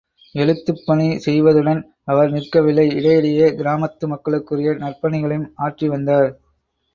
எழுத்துப் பணி செய்வதுடன் அவர் நிற்கவில்லை இடையிடையே கிராமத்து மக்களுக்குரிய நற்பணிகளையும் ஆற்றிவந்தார்.